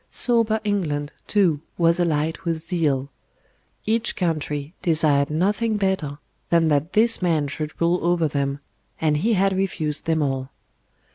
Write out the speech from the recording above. Sober England, too, was alight with zeal. Each country desired nothing better than that this man should rule over them; and He had refused them all.